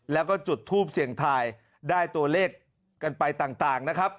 แล้วก็จุดทูปเสี่ยงทายได้ตัวเลขกันไปต่างนะครับ